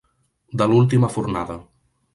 De l'última fornada.